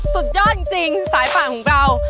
สุดยอดจริงสายป่าของเรา